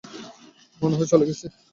মনে হয় চলে গেছে।